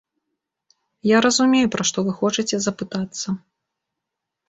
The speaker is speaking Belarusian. Я разумею, пра што вы хочаце запытацца.